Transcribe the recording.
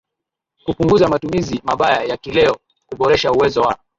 kupunguza matumizi mabaya ya kileo kuboresha uwezo wa